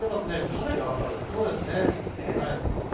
かなり上がったということになりましたね。